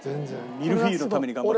ミルフィーユのために頑張った。